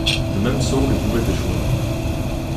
Le même sort lui pouvait échoir.